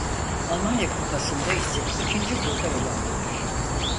Almanya Kupası'nda ise ikinci turda elendiler.